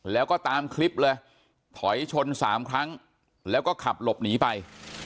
แล้วก็ตามคลิปเลยถอยชน๓ครั้งแล้วก็ขับหลบหนีไป